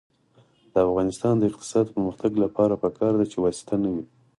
د افغانستان د اقتصادي پرمختګ لپاره پکار ده چې واسطه نه وي.